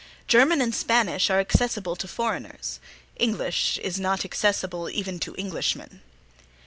German and Spanish are accessible to foreigners: English is not accessible even to Englishmen.